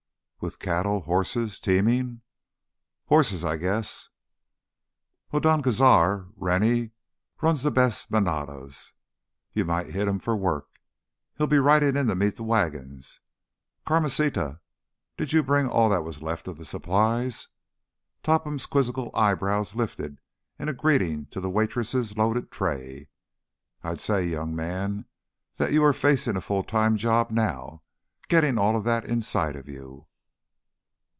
"With cattle—horses—teaming?" "Horses, I guess." "Well, Don Cazar—Rennie—runs the best manadas. You might hit him for work. He'll be riding in to meet the wagons. Carmencita, did you bring all that was left of the supplies?" Topham's quizzical eyebrows lifted in greeting to the waitress's loaded tray. "I'd say, young man, that you are facing a full time job now, getting all that inside of you."